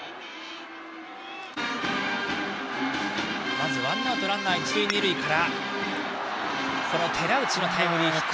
まずワンアウトランナー、一塁二塁からこの寺内のタイムリーヒット。